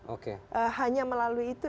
oke hanya melalui itu